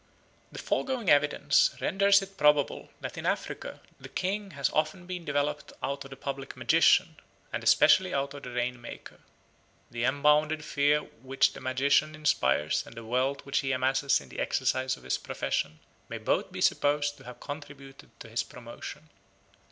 The foregoing evidence renders it probable that in Africa the king has often been developed out of the public magician, and especially out of the rain maker. The unbounded fear which the magician inspires and the wealth which he amasses in the exercise of his profession may both be supposed to have contributed to his promotion.